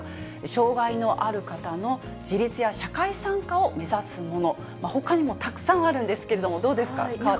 障がいのある方の自立や社会参加を目指すもの、ほかにもたくさんあるんですけれども、どうですか、河出さん。